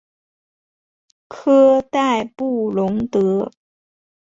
科代布龙德。